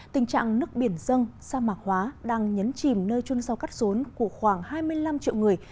tình trạng nước biển dân sa mạc hóa đang nhấn chìm nơi trôn rau cắt trốn của khoảng hai mươi năm triệu người